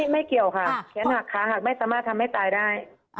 ไม่เกี่ยวค่ะแขนหักขาหักไม่สามารถทำให้ตายได้